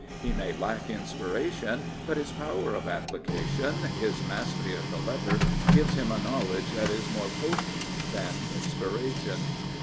He may lack inspiration, but his power of application, his mastery of the letter, gives him a knowledge that is more potent than inspiration.